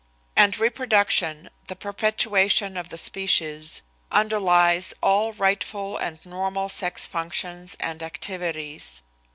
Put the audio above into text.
And reproduction, the perpetuation of the species, underlies all rightful and normal sex functions and activities.